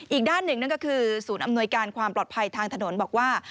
อีกด้านหนึ่งนั่นก็คือศูนย์อำนวยการความปลอดภัยทางถนนบอกว่า